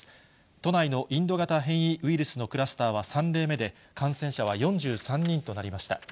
都内のインド型変異ウイルスのクラスターは３例目で、感染者は４３人となりました。